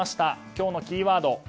今日のキーワード。